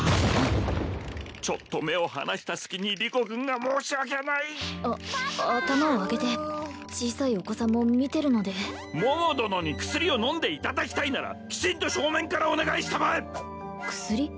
ちょっと目を離した隙にリコ君が申し訳ないあ頭を上げて小さいお子さんも見てるので桃殿に薬を飲んでいただきたいならきちんと正面からお願いしたまえ薬？